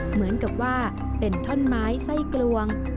เหมือนกับว่าเป็นท่อนไม้ไส้กลวง